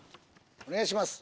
お願いします。